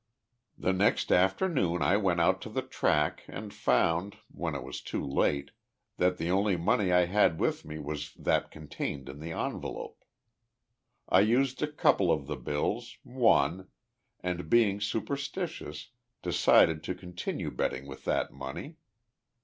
"The next afternoon I went out to the track and found, when it was too late, that the only money I had with me was that contained in the envelope. I used a couple of the bills, won, and, being superstitious, decided to continue betting with that money.